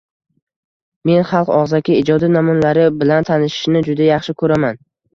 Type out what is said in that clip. Men xalq ogʻzaki ijodi namunalari bilan tanishishni juda yaxshi koʻraman.